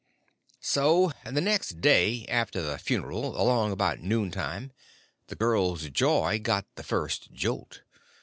So the next day after the funeral, along about noon time, the girls' joy got the first jolt.